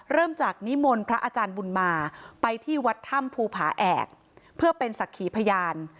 เริ่มจากนิมนต์พระอาจารย์บุญมาไปที่วัดถ้ำภูผาแอกเพื่อเป็นศักดิ์ขีพยาน